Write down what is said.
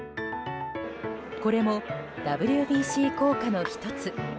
これもＷＢＣ効果の１つ。